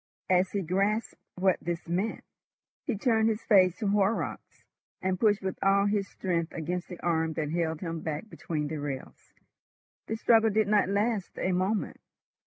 As he grasped what this meant, he turned his face to Horrocks, and pushed with all his strength against the arm that held him back between the rails. The struggle did not last a moment.